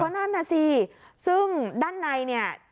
เพราะนั่นน่ะสิซึ่งด้านในนี่